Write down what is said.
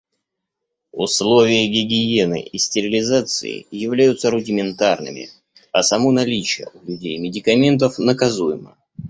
Условия гигиены и стерилизации являются рудиментарными, а само наличие у людей медикаментов наказуемо.